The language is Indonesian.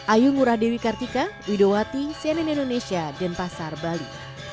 ayu ngurah dewi kartika widowati cnn indonesia denpasar bali